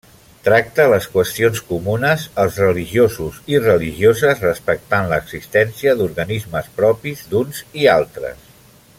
Tracta les qüestions comunes als religiosos i religioses, respectant l'existència d'organismes propis d'uns i altres.